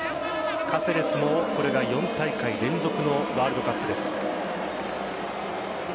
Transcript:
カセレスもこれが４大会連続のワールドカップです。